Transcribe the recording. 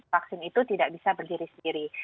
vaksin itu tidak bisa berdiri sendiri